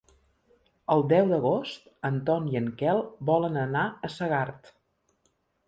El deu d'agost en Ton i en Quel volen anar a Segart.